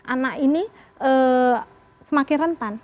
anak ini semakin rentan